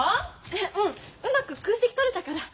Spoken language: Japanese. うんうまく空席取れたから。